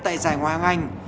tại giải ngoài hàng anh